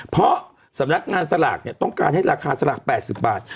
เพราะสำนักงานสลากเนี่ยต้องการให้ราคาสลาก๘๐บาท